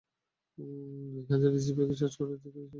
প্রতি দুই হাজার ইজিবাইক চার্জ করতে দিনে চার মেগাওয়াট বিদ্যুৎ খরচ হয়।